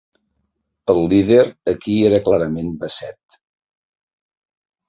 El líder aquí era clarament Bassett.